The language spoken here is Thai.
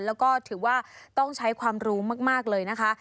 แล้วก็ถือว่าต้องใช้ความรู้มากเลยนะคะ